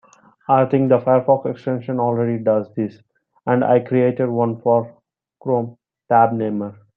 I think the Firefox extension already does this, and I created one for Chrome, Tab Namer.